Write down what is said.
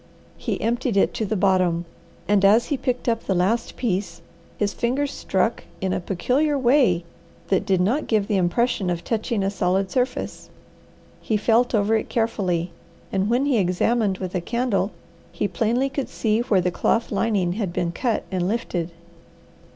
He emptied it to the bottom, and as he picked up the last piece his fingers struck in a peculiar way that did not give the impression of touching a solid surface. He felt over it carefully, and when he examined with a candle he plainly could see where the cloth lining had been cut and lifted.